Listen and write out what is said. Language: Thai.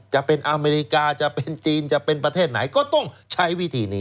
จะเป็นอเมริกาจะเป็นจีนจะเป็นประเทศไหนก็ต้องใช้วิธีนี้